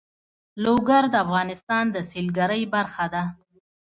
لوگر د افغانستان د سیلګرۍ برخه ده.